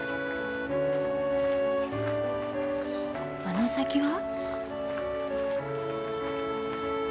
あの先は？